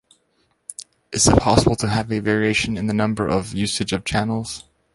It is possible to have a variation in the number and usage of channels.